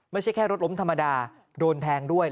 ไม่ใช่แค่รถล้มธรรมดาโดนแทงด้วย